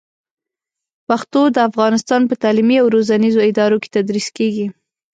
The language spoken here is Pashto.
پښتو د افغانستان په تعلیمي او روزنیزو ادارو کې تدریس کېږي.